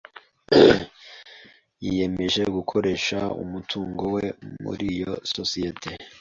Yiyemeje gukodesha umutungo we muri iyo sosiyete.